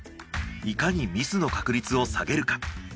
いかにミスの確率を下げるか。